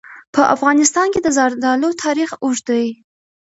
په افغانستان کې د زردالو تاریخ اوږد دی.